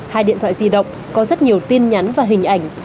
hai điện thoại di động có rất nhiều tin nhắn và hình ảnh